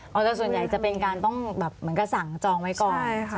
เอาแต่ส่วนใหญ่จะเป็นการต้องแบบเหมือนกับสั่งจองไว้ก่อนใช่ค่ะ